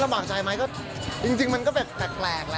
แล้วเราบอกใจไหมจริงมันก็แปลกแหละ